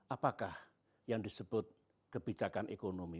apakah yang disebut kebijakan ekonomi